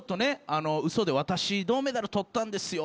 嘘で「私銅メダル取ったんですよ」